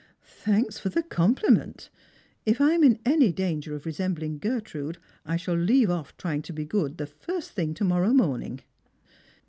"Thanks for the compliment. If I am in any danger of resembling Gertrude, I shall leave off trying to be good the first thing to morrow morning."